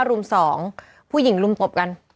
รุม๒ผู้หญิงลุมตบกัน